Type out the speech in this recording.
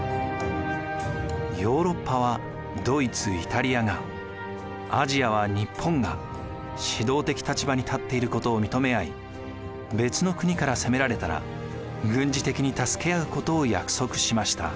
ヨーロッパはドイツイタリアがアジアは日本が指導的立場に立っていることを認め合い別の国から攻められたら軍事的に助け合うことを約束しました。